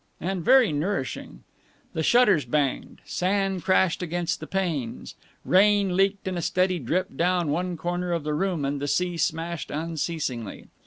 And very nourishing. The shutters banged, sand crashed against the panes, rain leaked in a steady drip down one corner of the room, and the sea smashed unceasingly.